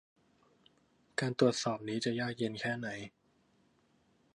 การตรวจสอบนี้จะยากเย็นแค่ไหน ?